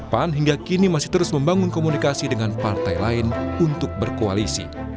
pan hingga kini masih terus membangun komunikasi dengan partai lain untuk berkoalisi